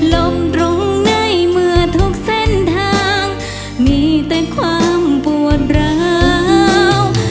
ลมตรงในเมื่อทุกเส้นทางมีแต่ความปวดร้าว